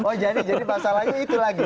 oh jadi masalahnya itu lagi